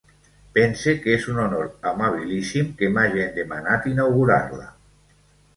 Pense que és un honor amabilíssim que m'hagen demanat inaugurar-la.